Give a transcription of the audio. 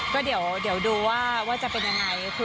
ก็เดี๋ยวดูว่าจะเป็นยังไง